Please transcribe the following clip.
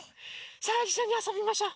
さあいっしょにあそびましょ！